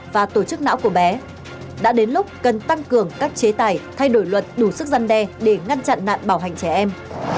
và tổ chức não của bé đã đến lúc cần tăng cường các chế tài thay đổi luật đủ sức gian đe để ngăn chặn nạn bảo hành trẻ em